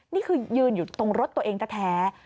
นี่คือยืนอยู่ตรงรถตัวเองแท้